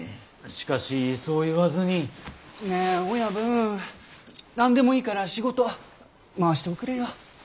しかしそう言わずに。ねえ親分何でもいいから仕事回しておくれよ。